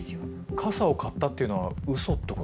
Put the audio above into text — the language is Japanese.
傘を買ったっていうのはウソってこと？